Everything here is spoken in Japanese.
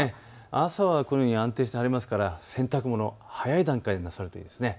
朝はこのように安定して晴れますから洗濯物、早い段階でなさるといいです。